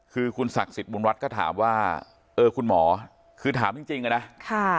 คือคุณศักดิ์สิทธิบุญรัฐก็ถามว่าเออคุณหมอคือถามจริงอะนะค่ะ